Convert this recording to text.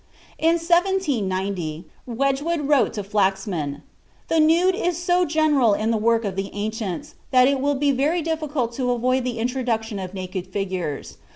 In 1790, Wedgwood wrote to Flaxman: "The nude is so general in the work of the ancients, that it will be very difficult to avoid the introduction of naked figures.